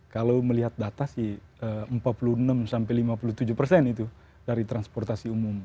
kalau melihat data sih empat puluh enam sampai lima puluh tujuh persen itu dari transportasi umum